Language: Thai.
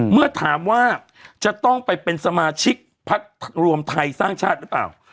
เมื่อถามว่าจะต้องไปเป็นสมาชิกพักรวมไทยสร้างชาติหรือเปล่า